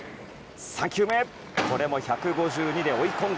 ３球、これも１５２キロで追い込んだ。